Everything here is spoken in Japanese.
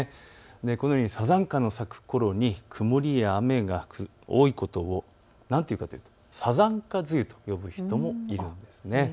このようにサザンカが咲くころに曇りや雨が多いことを何ていうかというとサザンカ梅雨と呼ぶこともあるんです。